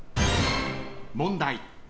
問題。